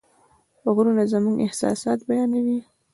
غږونه زموږ احساسات بیانوي.